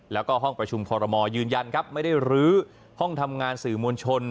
แล้วก็ห้องประชุมคอรมอลยืนยันครับไม่ได้รื้อห้องทำงานสื่อมวลชน